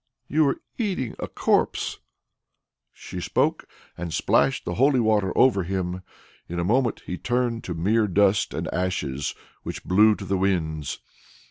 "You were eating a corpse." She spoke, and splashed the holy water over him; in a moment he turned into mere dust and ashes, which blew to the winds.